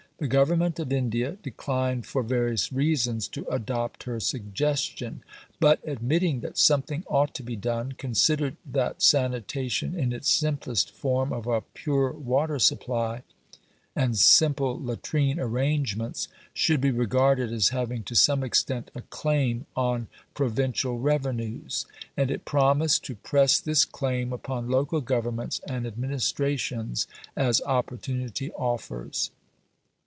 The Government of India declined for various reasons to adopt her suggestion; but admitting that something ought to be done, considered that "sanitation in its simplest form of a pure water supply and simple latrine arrangements should be regarded as having to some extent a claim on Provincial revenues," and it promised "to press this claim upon Local Governments and Administrations as opportunity offers."